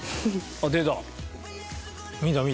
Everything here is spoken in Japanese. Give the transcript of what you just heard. あっ出た。